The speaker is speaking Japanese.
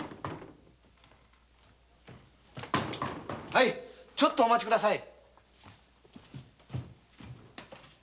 ・はいちょっとお待ち下さい。